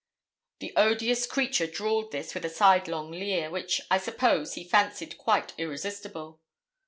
The odious creature drawled this with a sidelong leer, which, I suppose, he fancied quite irresistible.